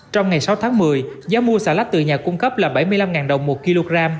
trong ngày sáu tháng một mươi giá mua xà lách từ nhà cung cấp là bảy mươi năm đồng một kg